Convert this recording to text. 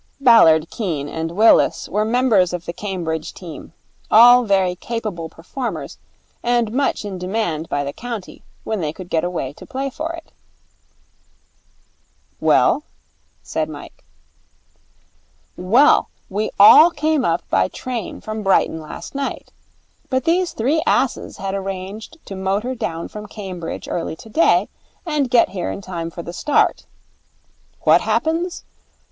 Ballard, Keene, and Willis were members of the Cambridge team, all very capable performers and much in demand by the county, when they could get away to play for it. 'Well?' said Mike. 'Well, we all came up by train from Brighton last night. But these three asses had arranged to motor down from Cambridge early today, and get here in time for the start. What happens?